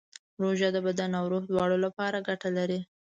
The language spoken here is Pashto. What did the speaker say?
روژه د بدن او روح دواړو لپاره ګټه لري.